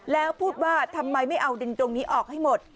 แล้วพูดว่าทำไมไม่เอาดินตรงนี้ออกให้หมด